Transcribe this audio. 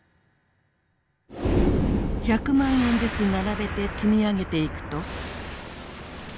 １００万円ずつ並べて積み上げていくと。